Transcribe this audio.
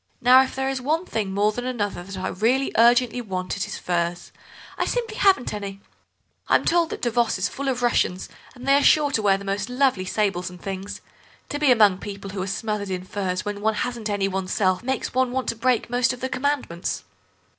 Now if there is one thing more than another that I really urgently want it is furs. I simply haven't any. I'm told that Davos is full of Russians, and they are sure to wear the most lovely sables and things. To be among people who are smothered in furs when one hasn't any oneself makes one want to break most of the Commandments."